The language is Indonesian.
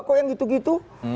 kok yang gitu gitu